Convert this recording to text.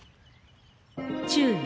注意！